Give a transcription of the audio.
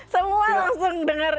semua langsung denger